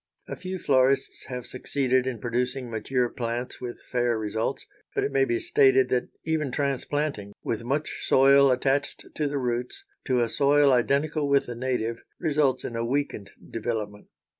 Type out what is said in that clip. A few florists have succeeded in producing mature plants with fair results, but it may be stated that even transplanting, with much soil attached to the roots, to a soil identical with the native, results in a weakened development.